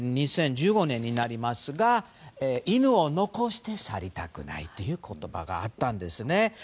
２０１５年になりますが犬を残して去りたくないという言葉があったんですね。